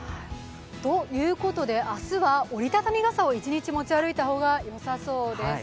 ということで、明日は折りたたみ傘を一日持ち歩いた方がよさそうです。